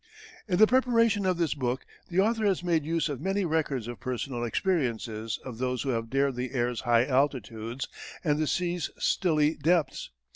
In the preparation of this book the author has made use of many records of personal experiences of those who have dared the air's high altitudes and the sea's stilly depths.